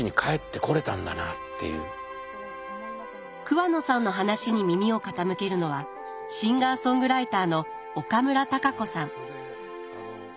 桑野さんの話に耳を傾けるのはシンガーソングライターの岡村孝子さん。